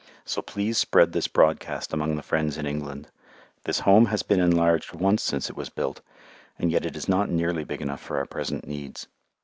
So please spread this broadcast among the friends in England. This Home has been enlarged once since it was built, and yet it is not nearly big enough for our present needs.